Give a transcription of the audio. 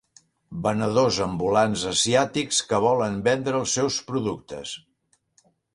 venedors ambulants asiàtics que volen vendre els seus productes.